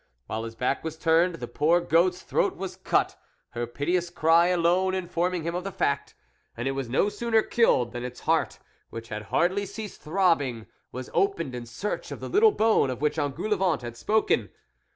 While his back was turned, the poor goat's throat was cut, her piteous cry alone informing him of the fact ; and it was no sooner killed than its heart, which had hardly ceased throbbing, was opened in search of the little bone of which Engoulevent had spoken.